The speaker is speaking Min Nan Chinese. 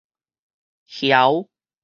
嬈